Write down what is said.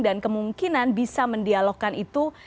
dan kemungkinan bisa mendialokkan itu